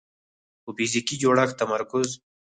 په فزیکي جوړښت تمرکز